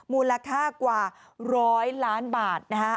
มูลค่ากว่า๑๐๐ล้านบาทนะฮะ